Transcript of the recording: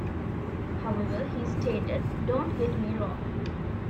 However, he stated, Don't get me wrong.